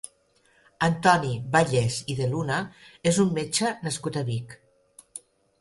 Antoni Bayés i de Luna és un metge nascut a Vic.